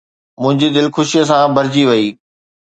منهنجي دل خوشيءَ سان ڀرجي وئي